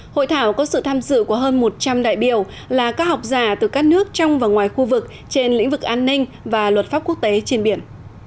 hội thảo có sự tham dự của hơn một trăm linh đại biểu là các học giả từ các nước trong và ngoài khu vực trên lĩnh vực an ninh và luật pháp quốc tế trên biển